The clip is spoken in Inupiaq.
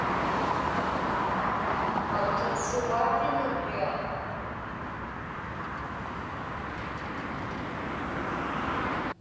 Aitchuqsugaatin ukiaq.